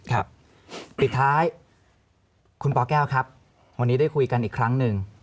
ปิดท้ายคุณปแก้วครับวันนี้ได้คุยกันอีกครั้งหนึ่ง